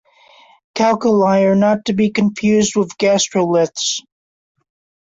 Calculi are not to be confused with gastroliths.